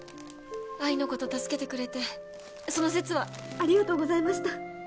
藍の事助けてくれてその節はありがとうございました。